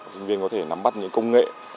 sinh viên có thể nắm bắt những công nghệ